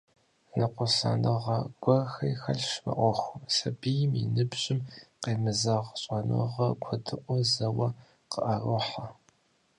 Ныкъусаныгъэ гуэрхэри хэлъщ мы Ӏуэхум — сабийм и ныбжьым къемызэгъ щӀэныгъэ куэдыӀуэ зэуэ къыӀэрохьэ.